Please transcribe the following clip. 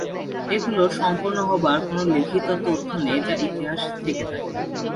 এগুলো সম্পূর্ণ হবার কোন লিখিত তথ্য নেই যা ইতিহাসে থেকে থাকে।